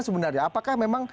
sebenarnya apakah memang